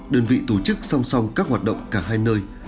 đơn vị tổ chức song song các hoạt động cả hai nơi